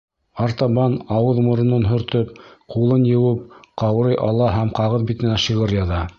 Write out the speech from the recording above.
Артабан ауыҙ-моронон һөртөп, ҡулын йыуып, ҡаурый ала һәм ҡағыҙ битенә шиғыр яҙа.